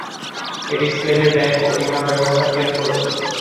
এটি স্পেনের ব্যাংক ও বীমা ব্যবস্থার কেন্দ্র।